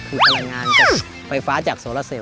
คือพลังงานจากไฟฟ้าจากโซลาเซลล